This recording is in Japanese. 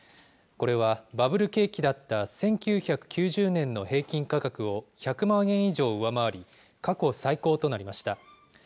これはバブル景気だった１９９０年の平均価格を１００万円以上上回り、過去最高となりました。